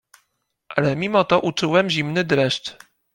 Ale mimo to uczułem zimny dreszcz.